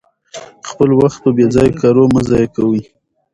خپل وخت په بې ځایه کارونو مه ضایع کوئ.